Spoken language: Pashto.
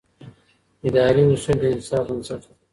اداري اصول د انصاف بنسټ دی.